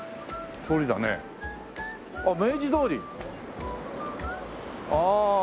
あっ明治通り。ああ。